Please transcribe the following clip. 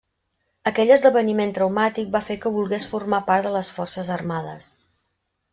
Aquell esdeveniment traumàtic va fer que volgués formar part de les forces armades.